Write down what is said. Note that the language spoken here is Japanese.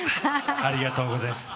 ありがとうございます。